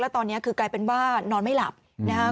ตอนนี้คือกลายเป็นว่านอนไม่หลับนะฮะ